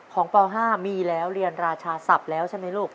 ป๕มีแล้วเรียนราชาศัพท์แล้วใช่ไหมลูก